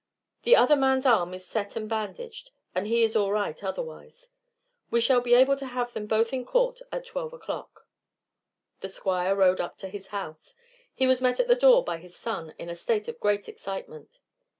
The other man's arm is set and bandaged, and he is all right otherwise. We shall be able to have them both in court at twelve o'clock." The Squire rode up to his house. He was met at the door by his son, in a state of great excitement.